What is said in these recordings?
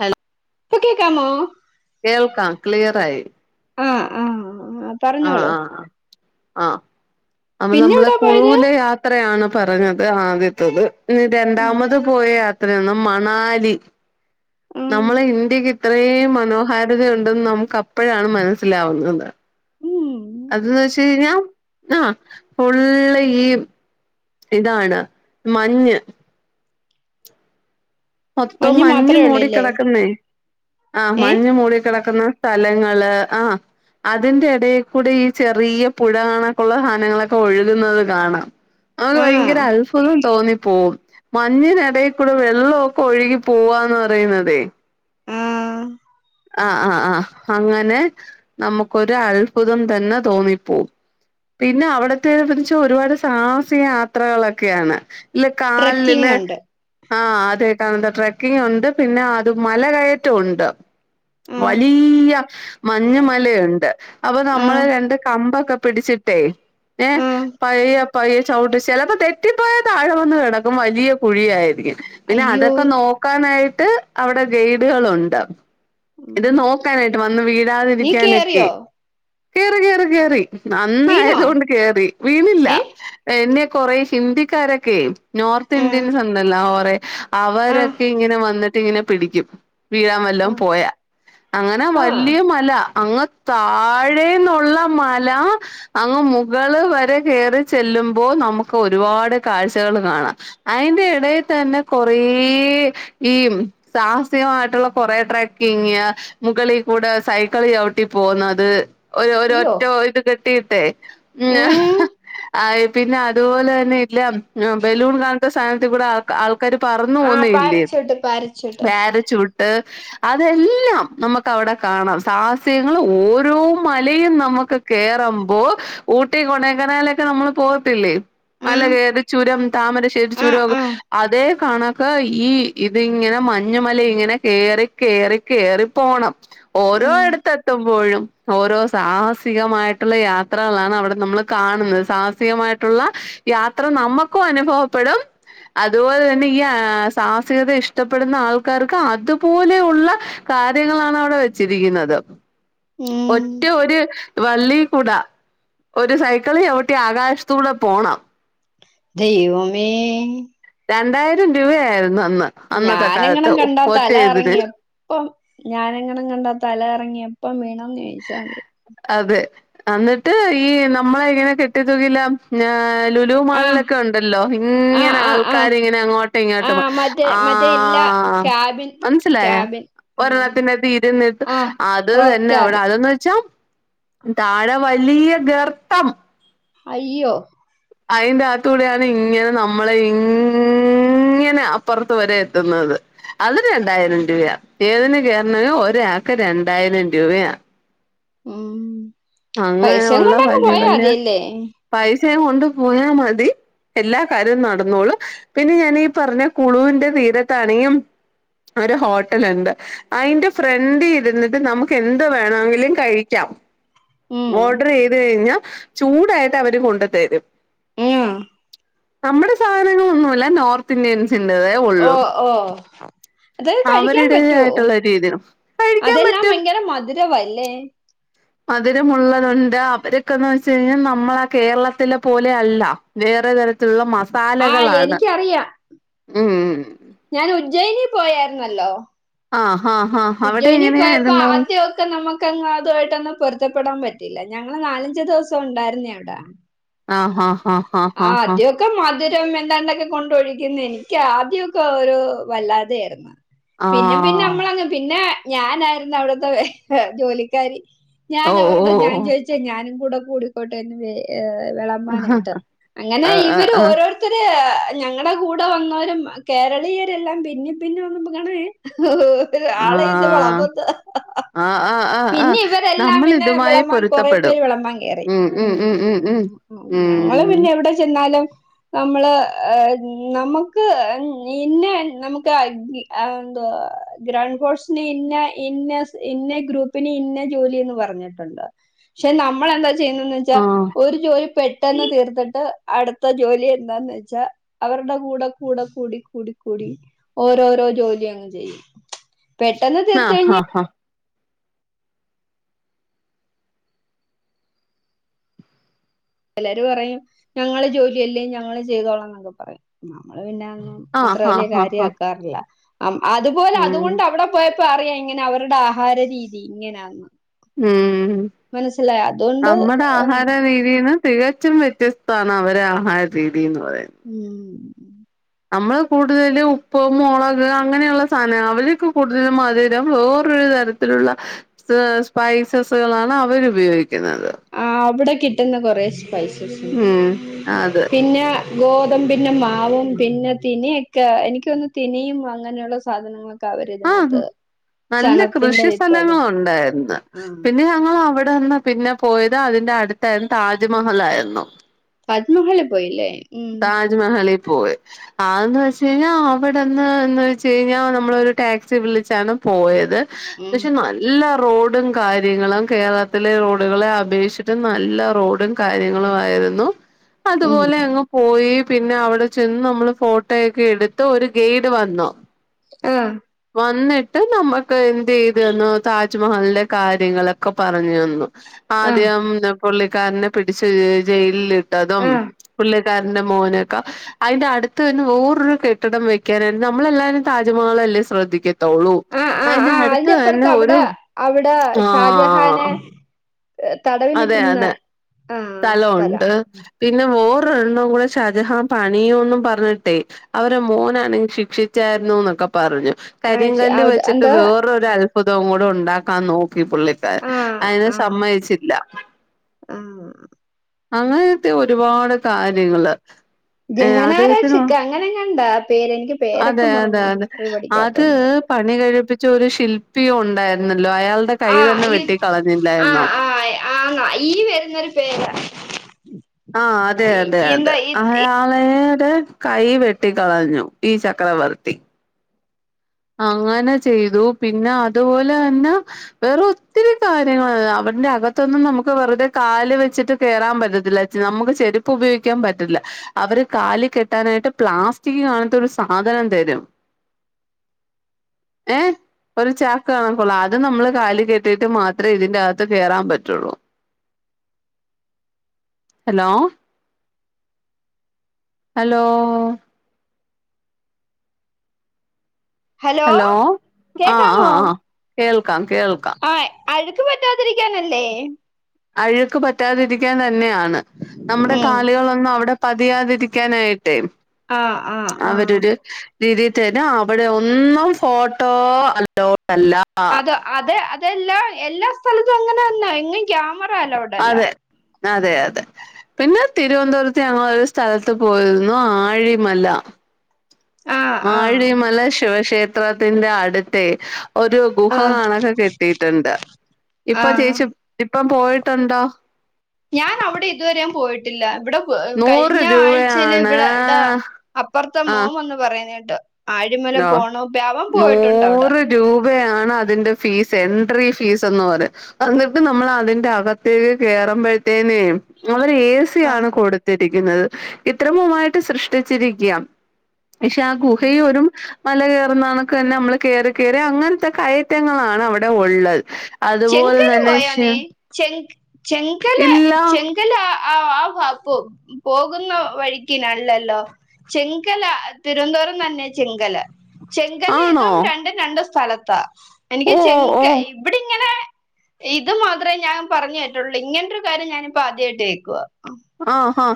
Hello ഇപ്പോ കേക്കാമോ? കേൾക്കാം ക്ലിയറായി ആഹ് ആഹ് ആഹ് പറഞ്ഞോളൂ ആഹ് ആഹ് ആഹ് അന്ന് പിന്നെ നമ്മള് എവിടാ പോയത് കുളുവിലെ യാ ത്രയാണ് പറഞ്ഞത് ആദ്യത്തത് ഇനി ഉം രണ്ടാമത് പോയ യാ ത്രാണ് മണാലി ഉം നമ്മള ഇന്ത്യക്ക് ത്രേം മനോഹാരിതയുണ്ടെന്ന് നമുക്ക് അപ്പോഴാണ് മനസ്സിലാവുന്നത്. ഉം അതന്ന് വെച്ച് കഴിഞ്ഞാ ആഹ് ഫുള്ള് ഈ ഇതാണ് മഞ്ഞ് മൊത്തോം മഞ്ഞ് മാത്രേ മൂടി ഉള്ളൂല്ലേ കിടക്കുന്നേ ആഹ് ഏ മഞ്ഞ് മൂടിക്കിടക്കുന്നത് സ്ഥലങ്ങള് ആഹ് അതിന്റെ എടെയികൂടി ഈ ചെറിയ പുഴ കണക്കുള്ള സാധനങ്ങളൊക്കെ ഒഴുകുന്നത് കാണാം അത് ആഹ് ഭയങ്കര അത്ഭുതം തോന്നിപ്പോവും മഞ്ഞിനേ ഇടയിൽക്കൂടെ വെള്ളം ഒഴുകി പോവാന്ന് പറയുന്നതെ ആഹ് അഹ് അഹ് ആഹ് അങ്ങനെ നമുക്കൊരു അത്ഭുതം തന്നെ തോന്നിപ്പോവും പിന്നെ അവിടത്തെത് ഒരുപാട് സാഹസിക യാത്രകളൊക്കെയാണ് ഇല്ല കാല് ട്രക്കിങ് ഇല്ല ഉണ്ട് ആഹ് അത് കാണുന്ന ട്രക്കിങ് ഉണ്ട് പിന്നെ അത് മല കയറ്റം ഉണ്ട് ആഹ് വലിയ മഞ്ഞുമലയുണ്ട് അപ്പൊ നമ്മൾ ആഹ് രണ്ട് കമ്പൊക്കെ പിടിച്ചിട്ടേ ഏഹ് ആഹ് പയ്യ പയ്യ ചവിട്ട് ചെിലപ്പോ തെറ്റിപ്പോയ താഴ വന്ന് കണക്കും വലിയ കുഴിയായിരിക്കും [unintelligible] പ്പൊ പിന്നെ അയ്യോ അതൊക്കെ നോക്കാനായിട്ട് അവിടെ ഗൈഡുകളുണ്ട് ഉം ഇത് നോക്കാനായിട്ട് വന്ന് വീഴ നീ തിരിക്കാനൊക്കെ കേറിയോ കേറി കേറി കേറി വീണോ നന്നായത് കൊണ്ട് കേറി വീണില്ല ഏ എന്നെ കൊറെ ഹിന്ദിക്കാരൊക്കെ നോർത്ത് ആഹ് ഇന്ത്യൻസ് ഉണ്ടല്ലോ കൊറേ ആഹ് അവരൊക്കെ ഇങ്ങനെ വന്നിട്ട് ഇങ്ങനെ പിടിക്കും വീഴാ വല്ലം ആഹ് പോയ അങ്ങനെ ആഹ് വലിയ മല അങ്ങ് താഴേന്നുള്ള മല അങ്ങ് മുകൾ വരെ കയറി ചെല്ലുമ്പോ നമുക്ക് ഒരുപാട് കാഴ്ചകൾ കാണാം അയിന്റെ എടയിൽ തന്നെ കൊറേ ഈ സാഹസികമായിട്ടുള്ള കുറെ ട്രക് ങ്ങിയ മുകളിൽ കൂടെ സൈക്കിൾ ചവിട്ടി പോകുന്നത് ഒര് അയ്യോ ഒറ്റോ ഇത് [unintelligible] കട്ടിട്ടേ ഉ ഉം [unintelligible] ആഹ് പിന്നെ അതുപോലെ തന്നെ ഇല്ല ബലൂൺ കാണത്ത സാനത് കൂടെ [unintelligible] ആൾക്കാര് പറന്നു ആഹ് പോന്നല്ലേ പാരച്ചൂട്ട് പാരച്ചൂട്ട് പ്യാരച്ചൂട്ട് അതെല്ലാം നമുക്ക് അവിടെ കാണാം സാഹസ്യങ്ങൾ ഓരോ മലയും നമുക്ക് കേറുമ്പോ ഊട്ടി കൊണങ്ങനാലൊക്കെ നമ്മൾ പോവതില്ലേ മല ആഹ് കേറി ചുരം താമരശ്ശേരി ആഹ് ചുരം ആഹ് അതേ കണക്ക ഈ ഇതി ഇങ്ങനെ മഞ്ഞുമല ഇങ്ങനെ കേറി കേറി കേറി പോണം ഓരോ ഉം ഇടുത്ത് എത്തുമ്പോഴും ഓരോ സാഹസികമായിട്ടുള്ള യാത്രകളാണ് അവിടെ നമ്മൾ കാണുന്നത് സാഹസികമായിട്ടുള്ള യാത്ര നമ്മുക്കും അനുഭവപ്പെടും അതുപോലെ തന്നെ ഈ സാഹസികത ഇഷ്ടപ്പെടുന്ന ആൾക്കാർക്ക് അതുപോലെ ള്ള കാര്യങ്ങളാണ് അവിടെ വെച്ചിരിക്കുന്നത് ഉം മറ്റ ഒരു വള്ളി കൂട ഒരു സൈക്കിൾ ചവിട്ടി ആകാശത്ത കൂടെ പോണം ദൈവമേ രണ്ടായിരം രൂപയായിരുന്നു അന്ന് അന്നത്തെ കാലത്ത് ഒറ്റയതില് ഓ ഞാനെങ്ങനെ കണ്ടാ തല ക റങ്ങി എപ്പം വീണന്ന് ചോദിച്ചാൽ മതി അതെ എന്നിട്ട് ഈ നമ്മള എങ്ങനെ കെട്ടിയ തുകില്ല ഇം [unintelligible] ലുലു ആഹ് മാളിലൊക്കെ ഉണ്ടല്ലോ ആഹ് ഇങ്ങനെ ആഹ് ആൾക്കാരി ആഹ് ഇങ്ങനെ അങ്ങോട്ടും ഇങ്ങോട്ടും ആഹ് മറ്റേ ആ മറ്റേ ഇല്ല ക്യാബിൻ മനസ്സിലായ ക്യാബിൻ ആഹ് ഒരെണ്ണത്തിന്റെ തീരനിട്ട് ആഹ് അത് റോക്ക് തന്നെ അവിടെ ക്യാബിൻ അത എന്ന്വെച്ചാ താഴെ വലിയ ഗർത്തം അയ്യോ അയിന്റെകത്ത കൂടെയാണ് ഇങ്ങനെ നമ്മളെ ഇംഗ് ഇങ്ങനെ അപ്പുറത്ത് വരെ എത്തുന്നത് അത് രണ്ടായിരം രൂപയാ ഏതിന് കയറണ ഒരാൾക്ക് രണ്ടായിരം രൂപയാ ഉം പൈസയും അങ്ങനെയുള്ള കൊണ്ടൊങ്ങ് വലിയ പോയാ വലിയ മതിയല്ലേ പൈസയും കൊണ്ട് പോയാ മതി എല്ലാ കാര്യവും നടന്നോളു പിന്നെ ഞാഞ്ഞി ഈ പറഞ്ഞ കുളുവിന്റെ തീരത്താണെങ്കും ഒരു ഹോട്ടലിണ്ട് അയിന്റെ ഫ്രണ്ടിരിന്നിട്ട് നമുക്ക് എന്ത് വേണമെങ്കിലും കഴിക്കാം ഉം ഓഡ്രെയ്ത് കൈഞ്ഞാ ചൂടായിട്ട് അവര് കൊണ്ട തരും ഏഹ് ആഹ് നമ്മുടെ സാധനങ്ങളൊന്നുല്ല നോർത്ത് ഇന്ത്യൻസിന്റതേ ഉള്ളു ഓഹ് ഓഹ് അതത് കഴിക്കാൻ പറ്റുവോ അവരിടേതായട്ടുള്ള രീതിയൊ കഴിക്കാൻ പറ്റും ദൂരുവല്ലേ മതുരമുള്ളതുണ്ട് അവരൊക്കന്നെച്ച് കഴിഞ്ഞാൽ നമ്മളകേരളത്തിലെ പോലെയല്ല വേറെ തര തുള്ള ആഹ് മസാലകളാണ് ഉംഹ് ഞാന് ഉജ്ജയിനി പോയായിരുന്നല്ലോ ആഹ് ഹാ ഹാ അവിടെ ഉജ്ജയിനി പോയപ്പോ എങ്ങനെയായിരുന്നു ആദ്യൊക്കെ നമ്മക്ക് ക്കങ്ങ് തായിട്ടൊന്നും പൊരുത്തപ്പെടാൻ പറ്റില്ല ഞങ്ങള് നാലഞ്ച് ദിവസംഉണ്ടായിരുന്നിയവിടെ ആഹ് ആഹ് ആഹ് ആദ്യം മധുരം എന്താണ്ടൊക്കെ കൊണ്ടോഴിക്കുന്നെനിയ്ക്കാദ്യോക്കെ ഒരു വല്ലാതെരുന്നു പിന്നെ പിന്നെ ആഹ് നമ്മളങ്ങ് പിന്നെ ഞാനായിരുന്നു അവിടത്തെ എഹെ ജോലിക്കാരി ഓ ഓ ഞാനവരുടെ ഞാൻ ഓ ചോയിച്ചേ ഞാനും കൂടെ കൂടിക്കോട്ടെ ആഹ് വിളമ്പാനായിട്ട് അങ്ങനെ ആഹ് ഇവര് ആഹ് ഓരോ ആഹ് [unintelligible] [unintelligible] ആഹ് ആഹ് ആഹ് ആഹ് പിന്നെ ഇവരെല്ലാം നമ്മൾ പിന്നെ ഇതുമായി വിളമ്പാൻ കൊറേ പൊരുത്തപ്പെടും പേര് വിളമ്പാൻ കേറി ഉം ഉം ഉം ഞങ്ങൾ ഉം പിന്നെ എവിടെ ചെന്നാലും നമ്മള് നമുക്ക് നിന്നെ [unintelligible] ഏഹ് ന്താ ഗ്രൗണ്ട് കോഴ്സിന് ഇന്ന ഇന്ന ഇന്ന ഗ്രൂപ്പിന് ഇന്ന ജോലിയെന്ന്പറഞ്ഞ് [unintelligible] ക്ഷേ നമ്മളെന്താ ചെയ്യുന്നെന്ന് ഉം വെച്ചാൽ ഒരു ജോലി പെട്ടെന്ന് തീർ ഏഹ് അടുത്ത ജോലി എന്താന്നെച്ചാ അവരുടെ കൂടെ കൂടെ കൂടി കൂടി കൂടി ഓരോരൊ ജോലിയങ്ങ് ചെയും പെട്ടെന്ന് ആഹ് തീർത്തഴിഞ്ഞ ആഹ് ഹാ ഹാ ചെലരു പറയും ഞങ്ങളജോലിയല്ലേ ഞങ്ങള് ചെയ്തോളാം ന്നക്കെ പറയും നമ്മള് പിന്നങ്ങ് ആഹ് അത്ര ഹാ ഹാ വല്യകാര്യ ഹാ ആക്കാർല്ല അം അതുപോലെ ഉം അതുകൊണ്ട് അവിടെ പോയപ്പറിയാം ഇങ്ങനെ അവരുടെ ആഹാര രീതി ഇങ്ങനാന്ന് ഉം മനസ്സിലായ അതുകൊണ്ട് നമ്മടെ ആഹാര രീതീന്ന് തികച്ചും വ്യത്യസ്താണ് അവരെ ആഹാര രീതിന്ന് പറയുന്ന ഉം നമ്മള് കൂടുതല് ഉപ്പ് മുളക് അങ്ങനെയുള്ള സാനം അവര്ക്ക്‌ കൂടുതൽ മധുരം വേറരു തര [unintelligible] സ്പൈസസുകളാണ് അവരുപയോഗിക്കുന്നത് അവിടെ കിട്ടുന്ന കൊറേ സ്പൈസസ് ഉണ്ട് ഉം അത് പിന്നാ ഗോതമ്പിന്റെമാവും പിന്നെ തിനിയൊക്കെ എനിക്കൊന്ന് തിനിയും അങ്ങനെയുള്ള സാധനങ്ങളൊ ആഹ് അവരിതിനാത്ത് നല്ല കൃഷി സ്ഥലങ്ങഉണ്ടായിരുന്ന് ആ പിന്നെ ഞങ്ങൾ അവിടെന്ന് പിന്നെ പോയത് അതിന്റെ അടുത്താ താജ്മഹൽ ആയിരുന്നു താജ്മഹല്ല് പോയില്ലേ? ഉം താജ് മഹളിൽ പോയി ആന്ന് വെചെയ്ഞ്ഞ അവിടെന്ന് എന്ന് വെചെയ്ഞ്ഞ നമ്മളൊരു ടാക്സി വിളിച്ചാണ് പോയത് ഉം [unintelligible] നല്ലാ റോഡും കാര്യങ്ങളും കേരളത്തിലെ റോഡുകളെ അപേക്ഷിട്ട് നല്ല റോഡും കാര്യങ്ങളുവായിരുന്നു ഉം അതുപോലെ അങ്ങ് പോയി പിന്നെ അവിടെ ചെന്നു മ്മള് ഫോട്ടോയൊക്കെ എടുത്തു ഒരു ഗെയ്ഡ് വന്നു ആഹ് വന്നിട്ട് നമ്മക്ക് എന്തൈതെന്നോ താജ്മഹലിന്റെ കാര്യങ്ങളൊക്കെ പറഞ്ഞു തന്നു ആ ആദ്യം ത് പുള്ളിക്കാരനെ പിടിച്ച് ജയിലിട്ടതും ആ പുള്ളി [unintelligible] മോനുക്ക അയിന്റെ അടുത്തന്നെ വേറൊരു കെട്ടിടം വെയ്ക്കാനായി നമ്മളെല്ലാരും താജ്മഹളല്ലേ ശ്രദ്ധിക്കത്തുള്ളൂ ആഹ് ആഹ് അതിന്റെ ആഹ് അടുത്ത് അതിന്റെപ്പുറത്ത് തന്നെ ഒരു അവിടെ അവിടെ ഷാജഹാനെ ആഹ് തടവിലിട്ടിരുന്ന ആഹ് സ്ഥലമുണ്ട് സ്ഥലം പിന്നെ വോറൊരെണം കൂടെ ഷാജഹാൻ പണിയുംന്നും പറഞ്ഞിട്ടേ അവരെ മോനാണെങ്കിൽ ശിക്ഷിച്ചായിരുന്നു എന്നൊക്കെ പറഞ്ഞു ആഹ് കരിങ്കല്ല് അത് വെച്ചിട്ട് എന്താ വേറൊ ഉതവും കൂടെ ഉണ്ടാക്കാൻ നോക്കി പുള്ളിക്കർ ആഹ് അതിനെ ആഹ് സമ്മതിച്ചില്ല ആഹ് അങ്ങനത്തെ ഒരുപാട് കാര്യങ്ങള് ഏഹ് അദ്ദേഹത്തിന് ജഹനാരാശക്കെ അങ്ങനെങ്ങാണ്ടാ പേര് എനിക്ക് അതെ പേരൊക്കെ മറന്നു അതെ പോയി അതെ ഹിസ്റ്ററി അത് പഠിക്കാത്തോണ്ടു പണി കഴിപ്പിച്ച ഒരു ശില്പിയും ഉണ്ടായിരുന്നല്ലോ അയാളുടെ കൈ ആഹ് തന്നെ ഈ വെട്ടി കളഞ്ഞില്ലായിരുന്നോ ആഹ് ആഹ് ഈ വരുന്നൊരു പേരാ ആഹ് അതെ ഈ അതെ അതെ എന്താ ഈ അഹ മളയുടെ കൈ വെട്ടികളഞ്ഞു ഈ ചക്രവർത്തി അങ്ങനെ ചെയ്തു പിന്നെ അതുപോലെ തന്നെ വേറ ഒത്തിരി കാര്യങ്ങ അവന്റെ അകത്തൊന്നും നമുക്ക് വെറുതെ കാല് വെച്ചിട്ട് കേയറാൻ പറ്റത്തില്ല നമുക്ക് ചെരുപ്പ് ഉപയോഗിക്കാൻ പറ്റില്ല അവര് കാലി കെട്ടാനായിട്ട് പ്ലാസ്റ്റിക് കാണത്ത ഒരു സാധനം തരും ഏഹ് ഒരു ചാക്ക് കാണക്കോള്ള അത് നമ്മള് കാലി കെട്ടിയിട്ട് മാത്രമേ ഇതിന്റെ അകത്ത് കയറാൻ പറ്റുള്ളൂ ഹലോ ഹലോ ഹലോ ആഹ് കേക്കമ ആഹ് ആഹ് കേൾക്കാം കേൾക്കാം ആയ് അഴുക്ക് പറ്റാതിരിക്കാനല്ലേ അഴുക്ക് പറ്റാതിരിക്കാൻ തന്നെയാണ് നമ്മുടെ ഉം കാലുകൾൊന്നും അവിടെ പതിയാതിരിക്കാനായിട്ടേ ആഹ് ആഹ് ആഹ് രീതിത്തേന്നെ അവിടെ ഒന്നും ഫോട്ടോ അലോഡ് അല്ല അതെ അതെല്ലാ എല്ലാ സ്ഥലത്തും അങ്ങനെന്നാ എങ്ങും ക്യാമറ അല്ലോട്ട അതെ അതെ അതെ പിന്നെ തിരുവനന്തപുരത്ത് ങ്ങ ഒരു സ്ഥലത്ത് പോയിരുന്നു ആഴിമല ആഹ് ആഹ് ആഴിമല ശിവക്ഷേത്രത്തിന്റെ അടുത്ത ഒരു ഗുഹ ആഹ് കാണൊക്കെ കെട്ടിട്ടുണ്ട് ഇപ്പൊ ആഹ് ചേച്ചി ഇപ്പം പോയിട്ടുണ്ടോ ഞാൻ അവിടെ ഇതുവരെയും പോയിട്ടില്ല ഇവിടെ നൂറ് കഴിഞ്ഞ ആഴ്ചൽ രൂപയാണ് ഇവിടെ ഇവിടാ അപ്പുറത്തെ മോവന്ന് പറയുന്ന കേട്ട് ആഴിമല ആ പോണ പവാം പോയിട്ടുണ്ട് അവിടെ നൂറ് രൂപയാണ് അതിന്റെ ഫീസ് എൻട്രി ഫീസ്ന്ന് പറ അനിട്ട് നമ്മൾ അതിന്റെ അകത്തേക്ക് കേയറുമ്പോഴത്തേനേ അവര് [unintelligible] ആണ് കൊടുത്തിരിക്കുന്നത് ഇത്രമുമായിട്ട് സൃഷ്ടിച്ചിരിക്കാം പക്ഷെ ആ ആഹ് ഗുഹയും ഒരുറും മല കയറുന്നണക്ക് തന്നെ നമ്മള് കയറി കയറി അങ്ങനത്തെ കയറ്റങ്ങളാണ് അവിടെ ഉള്ളത് അതുപോലെ ചെങ്കല പോയോ തന്നെഷയ നീ ചെ ചങ്കല ചെ [inaudible] ആഹ് വാപ്പ പോകുന്ന വഴിക്ക്നല്ലല്ലോ ചെങ്കല തിരുവനന്തപുരം തന്നെ ചെങ്കല് ചെങ്ക ആണോ രണ്ടും രണ്ട് സ്ഥലത്ത എനിക്ക് ഓ ചെങ്ക ഓ എവി ഇങ്ങനെ ഇത് മാത്രേ ഞാൻ പറഞ്ഞു പറ്റുള്ളൂ ഇങ്ങനരു കാര്യം ഞാനിപ്പോ ആദ്യമായിട്ട് കേക്കവാ ആഹാ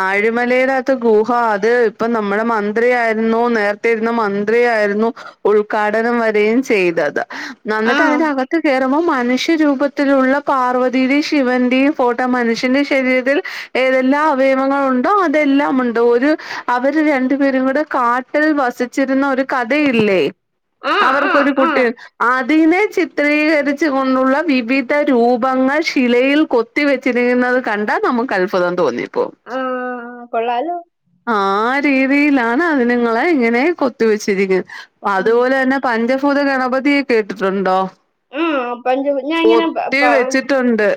ആഴിമലയുടെകത്ത ഗുഹ അത് ഇപ്പൊ നമ്മുടെ മന്ത്രിയായിരുന്നു നേർ ന്ന മന്ത്രിയായിരുന്നു ഉദ്ഘാടനം വരും ചെയ്തത് ആ നിട്ടക കേയറുമ്പോൾ മനുഷ്യരൂപത്തിലുള്ള പാർവതിയുടെയും ശിവന്റെയും ഫോട്ടോ മനുഷ്യന്റെ ശരീരത്തിൽ ഏതെല്ലാം അവയവങ്ങള ഉണ്ടോ അതെല്ലാം ഉണ്ട് ഒരു അവര് രണ്ടു പേരും കൂടെ കാ ട്ടിൽ വസിച്ചിരുന്ന ഒരു കഥയില്ലേ ആ ആ അവർക്കൊരു ആ കുട്ടി അതിനെ ചിത്രീകരിച്ചു കൊണ്ടുള്ള വിവിധ രൂപങ്ങൾ ശിലയിൽ കൊത്തി കുത്തി വെച്ചിരിക്കുന്നത് കണ്ടാ നമുക്ക് അത്ഭുതം തോന്നിപ്പോകും ആഹ് കൊള്ളാലോ ആഹ് രീതിയിലാണ് അതി നിങ്ങളെ ഇങ്ങനെ കൊത്തി വെച്ചിരിക്കുന്നത് ആ അതുപോലെ തന്നെ പഞ്ചഭൂത ഗണപതിയെ കേട്ടിട്ടുണ്ടോ ആ പഞ്ച ഞാൻ ഇങ്ങനെ പ കൊത്തി പ വെച്ചിട്ടുണ്ട്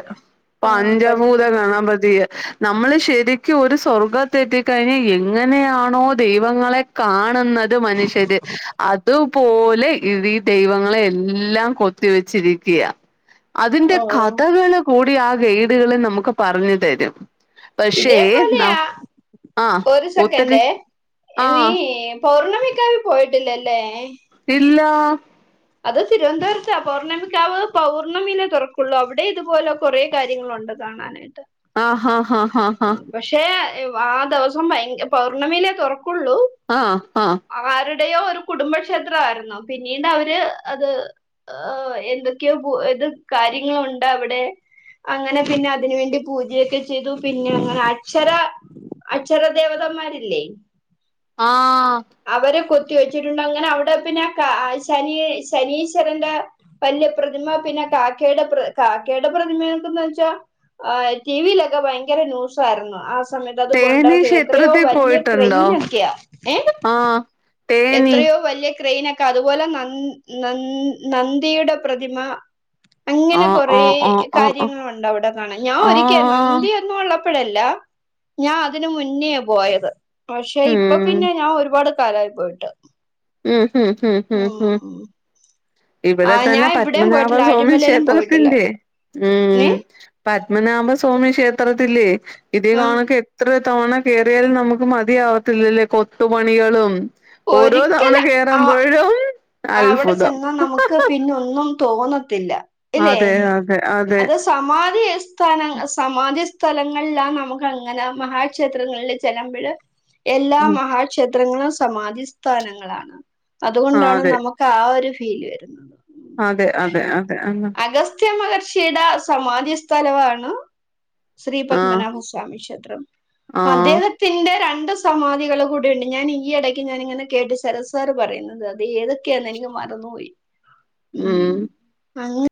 ആ പഞ്ച പഞ്ചഭൂത ഗണപതിയേ നമ്മള് ശരിക്കും ഒരു സ്വർഗത്തെത്തി കഴിഞ്ഞാ എങ്ങനെയാണോ ദൈവങ്ങളെ കാണുന്നത് മനുഷ്യര് അതും പോലെ ഇ ഈ ദൈവങ്ങളെ എല്ലാം കൊത്തിവെച്ചിരിക്കയാ അതിന്റെ ഓ കഥകള് കൂടി വീഡിയോകളിൽ നമ്ക്ക് പറഞ്ഞ് തെരും ഇതേപോലെയാ ആ ഒരു ഒത്തിരി സെക്കെന്റേ ആ നീ പൗർണമിക്കാവി പോയിട്ടില്ലല്ലേ ഇല്ലാ അത് തിര്‌വൻന്തപുരത്താ പൗർണ്ണമിക്കാവ് പൗർണമീലെ താെറക്കാെള്ളൂ അവിടേം ഇതുപോലെ കൊറേ കാര്യങ്ങളുണ്ട് കാണാനായിട്ട് ആഹ് ഹാ ഹാ ഹാ പക്ഷേ ആ ദിവസം ഭയ പൗർണമീലേ തൊറക്കുള്ളൂ ആഹ് ആഹ് ആരുടെയോ ഒരു കുടുംബക്ഷേത്രായിര്ന്നു പിന്നീട് അവര് അത് ഏഹ് എന്തൊക്കെയോ പു ഇത് കാര്യങ്ങളുണ്ട് അവിടെ അങ്ങെനെ പിന്നെ അതിനു വേണ്ടി പൂജയൊക്കെ ചെയ്തു പിന്നെ അങ്ങെനെ അക്ഷര അക്ഷര ദേവതന്മാരില്ലേ ആഹ് അവരെ കൊത്തി വെച്ചിട്ടുണ്ട് അങ്ങെനെ അവിടെ പിന്നെ ശനി ശനീശ്വരന്റെ വല്യ പ്രതിമ പിന്നെ കാക്കേടെ പ്ര കാക്കേടെ പ്രതിമ എന്തെന്ന് വെച്ചാ ആഹ് ടീവിയിലൊക്കെ ഭയെങ്കെര ന്യൂസായിര്ന്നു ആ സ് സമയത്ത് അത് തേനി കൊണ്ടെറെക്കി എത്രെയോ ക്ഷേത്രത്തിൽ വല്യെ പോയിട്ടുണ്ടോ ക്രെയിനൊക്കെയാ ഏഹ് ആഹ് തേനി എത്രെയോ വല്യെ ക്രെയിന അതുപോലെ നൻ നൻ നന്തിയുടെ പ്രതിമാ അങ്ങെനെ ആഹ് കൊറേ ആഹ് ആഹ് ആഹ് ആഹ് കാര്യങ്ങളുണ്ട് അവ്ടെ കാണാൻ ഞാൻ ഒരിക്കെ ആഹ് നന്തി ന്നും ഉള്ളപ്പഴല്ല ഞാൻ അതിന് മുന്നെയാ പോയത് പക്ഷെ ഇപ്പൊ ഉം പിന്നെ ഞാ ഒരുപാട് കാലായി പോയ്ട്ട് ഉം ഉം ഉം ഉം ഉം ആ ഇവിടെ തന്നെ ഞാൻ ഇവിടെയും പത്മനാഭ പോയിട്ടില്ല സ്വാമി അഴിമലയിലും പോയിട്ടില്ല ക്ഷേത്രെത്തിന്റെ ഉം നീ പത്മനാഭസ്വാമി ക്ഷേത്രെത്തിലേ ഇതേ ആഹ് കാണക്ക് എത്രെ തവണ കേറിയാലും നമുക്ക് മതിയാവത്തില്ലല്ലേ കൊത്തുപണികളും ഓരോ തവണ ഒരിക്കല് ആഹ് കേറുമ്പോഴും അവ്ടെ അത്ഭുതം ചെന്നാ നമുക്ക് പിന്നൊന്നും തോന്നത്തില്ല ഇല്ലേ അതെ അതെ അതെ അത് സമാധിയെസ് സ്ഥാനങ് സമാധി സ്ഥലങ്ങളെലാം നമുക്ക് അങ്ങന മഹാക്ഷേത്രങ്ങളില് ചെല്ലമ്പഴ് എല്ലാ ഉം മഹാക്ഷേത്രങ്ങളും സമാധി സ്ഥാനങ്ങളാണ് ആ അതുകൊണ്ടാണ് അതെ നമു ക്കാ ഒരു ഫീല് വരുന്ന് അതെ അതെ അതെ അന്ന അഗസ്ത്യ മഹർഷിയ്ടെ സമാധി സ്ഥലവാണ് ആ ശ്രീപത്മനാഭസ്വാമി ക്ഷേത്രം ആ അദ്ദേഹ ത്തിൻ്റെ രണ്ട് സമാധികള് കൂടെയുണ്ട് ഞാൻ ഈ എടയ്ക്ക് ഞാനിങ്ങനെ കേട്ടു ശരത് സാർ പറയുന്നത് അത് ഏത് ക്കെന്ന് എനിക്ക് മറന്നു പോയി ഉ [inaudible] ഉം അങ്ങ